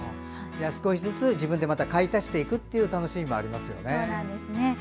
少しずつ自分で買い足していくという楽しみもありますよね。